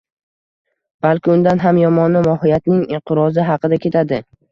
balki undan ham yomoni, mohiyatning inqirozi haqida ketadi.